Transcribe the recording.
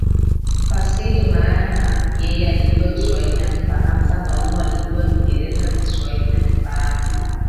mfasiri maana yeye alijua Kiswahili na Kifaransa Mwalimu alijua Kiingereza na Kiswahili na kifaransa